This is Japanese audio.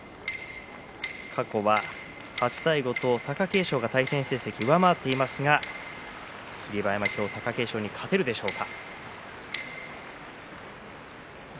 過去は８対５と貴景勝が対戦成績を上回っていますが霧馬山、今日貴景勝に勝てるでしょうか。